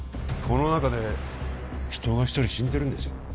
この中で人が一人死んでるんですよ